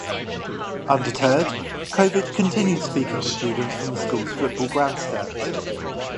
Undeterred, Kovic continued speaking to students from the school's football grandstands.